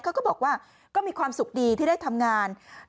ก็บอกว่าก็มีความสุขดีที่ได้ทำงาน